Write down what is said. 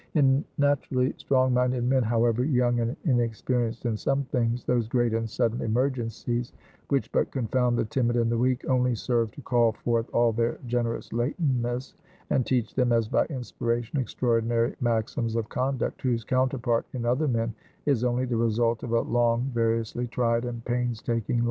In naturally strong minded men, however young and inexperienced in some things, those great and sudden emergencies, which but confound the timid and the weak, only serve to call forth all their generous latentness, and teach them, as by inspiration, extraordinary maxims of conduct, whose counterpart, in other men, is only the result of a long, variously tried and pains taking life.